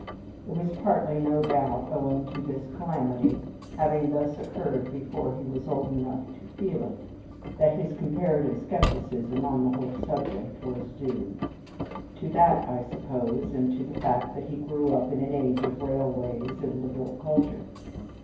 It was partly, no doubt, owing to this calamity having thus occurred before he was old enough to feel it, that his comparative skepticism on the whole subject was due. To that I suppose, and to the fact that he grew up in an age of railways and liberal culture."